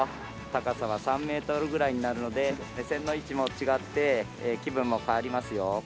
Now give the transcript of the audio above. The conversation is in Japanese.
高さは３メートルぐらいになるので目線の位置も違って気分も変わりますよ。